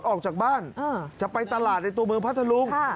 ออกจากบ้านจะไปตลาดในตัวเมืองพัทธรุง